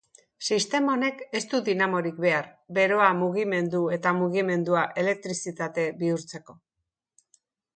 Sistema honek ez du dinamorik behar, beroa mugimendu eta mugimendua elektrizitate bihurtzeko.